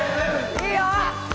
いいよ！